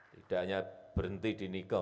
tidak hanya berhenti di nikel